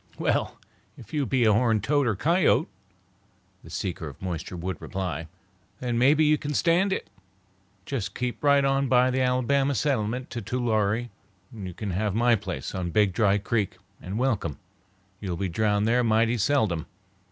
"Well, if you be a horned toad or coyote," the seeker of moisture would reply, "then maybe you can stand it. Just keep right on by the Alabama Settlement to Tulare and you can have my place on Big Dry Creek and welcome. You'll be drowned there mighty seldom.